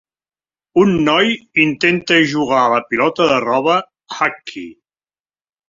Un noi intenta jugar a la pilota de roba "Hacky".